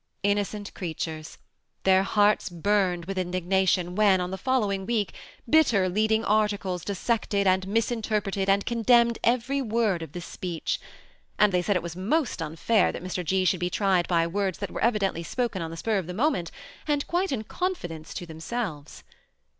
Innocent creatures ! their hearts burned with indignation when, 'on the following week, bitter leading articles dissected and misinterpreted and condemned every word of this speech ; and they said it was most unfair that Mr. G. should be tried by words that were evidently spoken on the spur of the moment, and quite in. confidence to themselves.